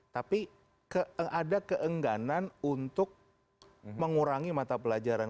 tapi ada keengganan untuk mengurangi mata pelajaran